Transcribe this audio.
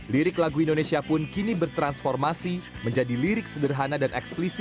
lirik lagu indonesia pun kini bertransformasi menjadi lirik sederhana dan eksplisit